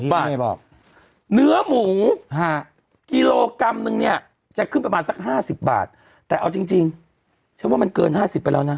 เนื้อหมูกิโลกรัมนึงเนี่ยจะขึ้นประมาณสัก๕๐บาทแต่เอาจริงฉันว่ามันเกิน๕๐ไปแล้วนะ